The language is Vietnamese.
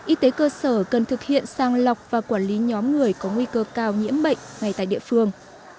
y tế cơ sở cần thực hiện sang lọc và quản lý nhóm người có nguy cơ cao nhiễm bệnh ngay tại địa phương